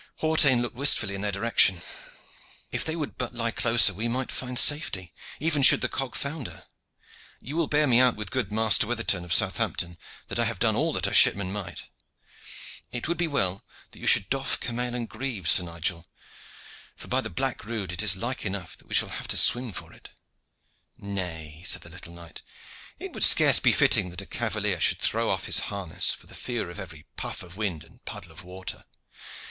Hawtayne looked wistfully in their direction. "If they would but lie closer we might find safety, even should the cog founder. You will bear me out with good Master Witherton of Southampton that I have done all that a shipman might. It would be well that you should doff camail and greaves, Sir Nigel, for, by the black rood! it is like enough that we shall have to swim for it." "Nay," said the little knight, "it would be scarce fitting that a cavalier should throw off his harness for the fear of every puff of wind and puddle of water.